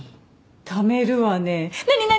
ためるわね何何？